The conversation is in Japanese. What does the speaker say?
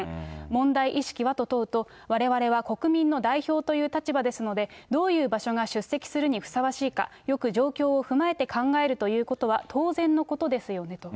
問題意識は？と問うと、われわれは国民の代表という立場ですので、どういう場所が出席するにふさわしいか、よく状況を踏まえて考えるということは当然のことですよねと。